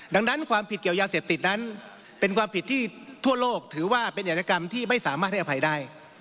ดังนั้นความผิดเกี่ยวยาเสพติดนั้นเป็นความผิดที่ทั่วโลกถือว่าเป็นอัยกรรมที่ไม่สามารถให้อภัยได้